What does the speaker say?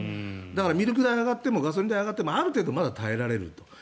だからミルク代が上がってもガソリン代が上がってもある程度、耐えられると。